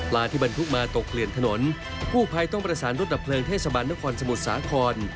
ลาที่บรรทุกมาตกเปลี่ยนถนนผู้ปลายต้องประสานรถอบเพลิงเทศบัณฑ์นครสมุทรสาคร